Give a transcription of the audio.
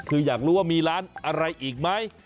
คืออยากรู้ว่ามีร้านอะไรอีกไหม